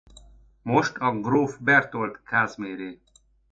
Most a gróf Berchtold Kázméré.